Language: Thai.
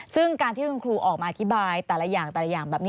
ซึ่งการที่คุณครูออกมาอธิบายแต่ละอย่างแต่ละอย่างแบบนี้